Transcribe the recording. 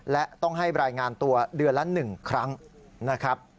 และต้องให้รายงานตัวเดือนละ๑ครั้งนะครับ